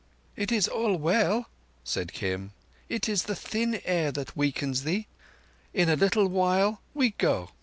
"It is all well," said Kim. "It is the thin air that weakens thee. In a little while we go!